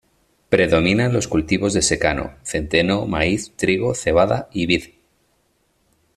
Predominan los cultivos de secano: centeno, maíz, trigo, cebada y vid.